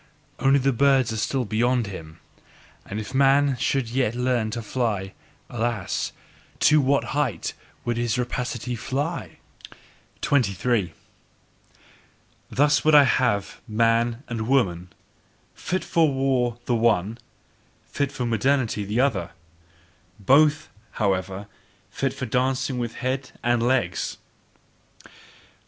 Only the birds are still beyond him. And if man should yet learn to fly, alas! TO WHAT HEIGHT would his rapacity fly! 23. Thus would I have man and woman: fit for war, the one; fit for maternity, the other; both, however, fit for dancing with head and legs.